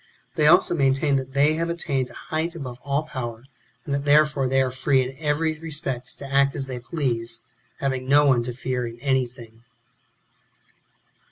They also maintain that they have attained to a height above all power, and that therefore they are free in every respect to act as they please, having no one to fear in anything.